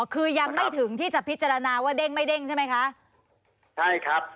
คือยังไม่ถึงที่จะพิจารณาว่าเด้งไม่เด้งใช่ไหมคะใช่ครับ